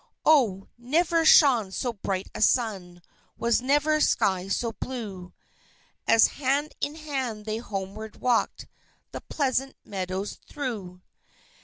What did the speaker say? Oh, never shone so bright a sun, was never sky so blue, As hand in hand they homeward walked the pleasant meadows through!